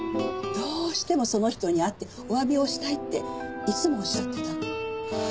どうしてもその人に会ってお詫びをしたいっていつもおっしゃってたの。